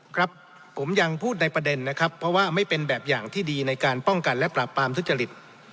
ครับผมยังพูดในประเด็นนะครับเพราะว่าไม่เป็นแบบอย่างที่ดีในการป้องกันและปราบปรามทุจริต